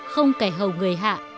không kẻ hầu người hạ